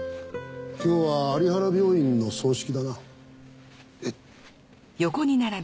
今日は有原病院の葬式だな。